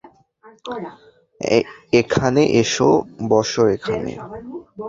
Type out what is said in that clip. এখানে এসো, বসো এখানে।